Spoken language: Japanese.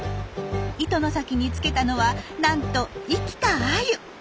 糸の先に付けたのはなんと生きたアユ。